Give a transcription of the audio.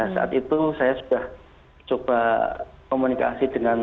coba komunikasi dengan